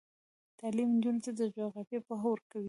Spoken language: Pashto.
تعلیم نجونو ته د جغرافیې پوهه ورکوي.